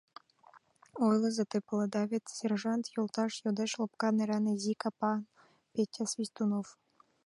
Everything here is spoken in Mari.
— Ойлыза, те паледа вет, сержант йолташ, — йодеш лопка неран изи капан Петя Свистунов.